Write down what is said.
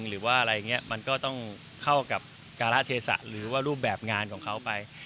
หรือว่าอะไรอย่างนี้มันก็ต้องเข้ากับการะเทศะหรือว่ารูปแบบงานของเขาไป